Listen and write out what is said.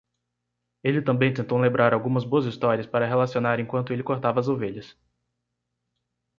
Ele também tentou lembrar algumas boas histórias para relacionar enquanto ele cortava as ovelhas.